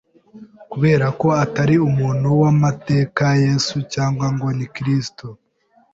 kubera ko atari umuntu w'amateka Yesu cyangwa ngo ni Kristo